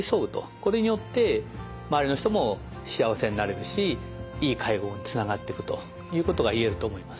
これによって周りの人も幸せになれるしいい介護につながっていくということが言えると思います。